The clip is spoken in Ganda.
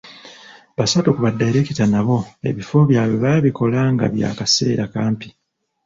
Basatu ku badayireekita nabo ebifo byabwe babikola nga bya kaseera kampi.